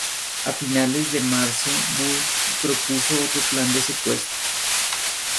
A finales de marzo Booth propuso otro plan de secuestro.